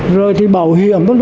rồi thì bảo hiểm